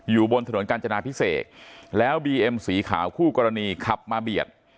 บนถนนกาญจนาพิเศษแล้วบีเอ็มสีขาวคู่กรณีขับมาเบียด